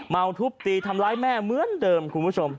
ทุบตีทำร้ายแม่เหมือนเดิมคุณผู้ชม